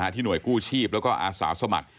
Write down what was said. หน่วยกู้ชีพแล้วก็อาสาสมัคร